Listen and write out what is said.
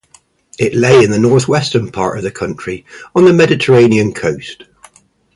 It lay in the northwestern part of the country, on the Mediterranean coast.